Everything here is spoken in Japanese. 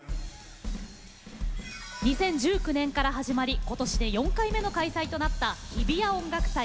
２０１９年から始まり今年で４回目の開催となった日比谷音楽祭。